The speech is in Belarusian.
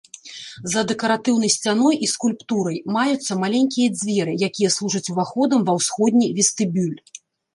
За дэкаратыўнай сцяной і скульптурай маюцца маленькія дзверы, якія служыць уваходам ва ўсходні вестыбюль.